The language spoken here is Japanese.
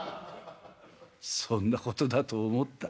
「そんなことだと思った。